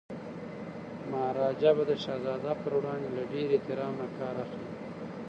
مهاراجا به د شهزاده پر وړاندي له ډیر احترام نه کار اخلي.